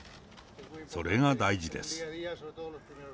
それが大事です。